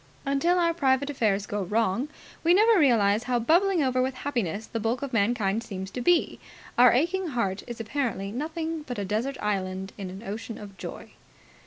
Until our private affairs go wrong, we never realize how bubbling over with happiness the bulk of mankind seems to be. Our aching heart is apparently nothing but a desert island in an ocean of joy.